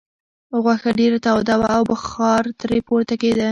غوښه ډېره توده وه او بخار ترې پورته کېده.